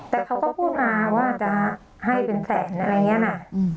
แต่เขาก็พูดมาว่าจะให้เป็นแสนอะไรอย่างนี้นะ